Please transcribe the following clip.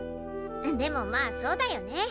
でもまあそうだよね。